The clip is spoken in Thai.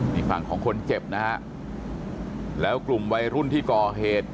นี่ฝั่งของคนเจ็บนะฮะแล้วกลุ่มวัยรุ่นที่ก่อเหตุ